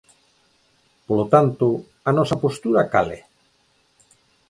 Polo tanto, ¿a nosa postura cal é?